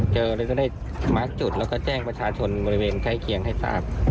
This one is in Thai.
เลยก็ได้มาร์คจุดแล้วก็แจ้งประชาชนบริเวณใกล้เคียงให้ทราบ